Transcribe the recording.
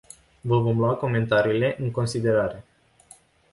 Vă vom lua comentariile în considerare.